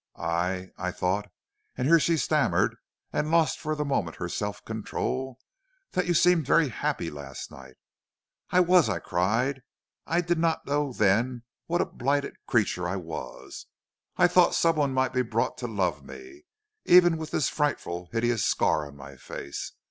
I I thought ' and here she stammered and lost for the moment her self control 'that you seemed very happy last night.' "'I was,' I cried. 'I did not know then what a blighted creature I was. I thought some one might be brought to love me, even with this frightful, hideous scar on my face.